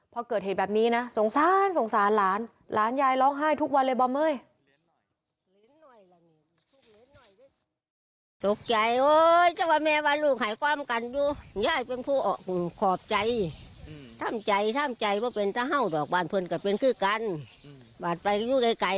พอเกิดเหตุแบบนี้นะสงสารสงสารหลานหลานยายร้องไห้ทุกวันเลยบะเม้ย